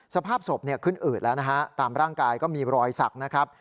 สภาพศพขึ้นอืดแล้วนะฮะตามร่างกายก็มีรอยสักนะครับ